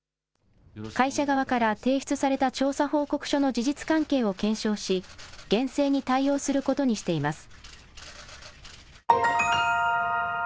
会社側から提出された調査報告書の事実関係を検証し厳正に対応することにしています。